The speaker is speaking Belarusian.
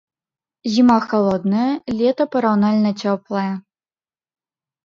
Зіма халодная, лета параўнальна цёплае.